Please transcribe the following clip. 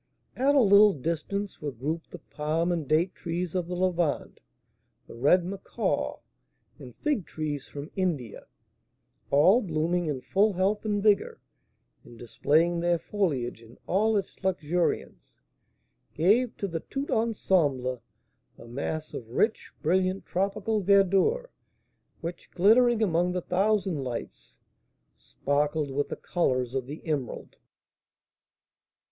At a little distance were grouped the palm and date trees of the Levant; the red macaw, and fig trees from India; all blooming in full health and vigour, and displaying their foliage in all its luxuriance, gave to the tout ensemble a mass of rich, brilliant tropical verdure, which, glittering among the thousand lights, sparkled with the colours of the emerald.